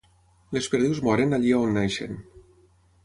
Les perdius moren allí on neixen.